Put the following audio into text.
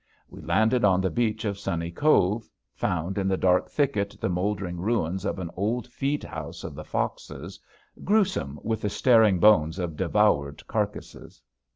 We landed on the beach of Sunny Cove, found in the dark thicket the moldering ruins of an old feed house of the foxes, gruesome with the staring bones of devoured carcasses.